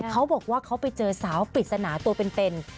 เขาบอกว่าเขาไปเจอสาวปริศนาตัวเป็น